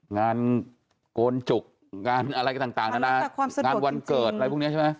งานโกนจุกงานอะไรต่างนานางานวันเกิดอะไรพวกนี้ใช่ไหม